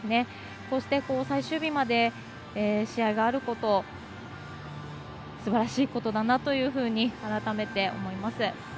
こうして最終日まで試合があることすばらしいことだなと改めて思います。